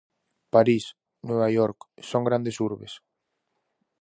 París, Nova York, son grandes urbes.